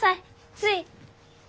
つい。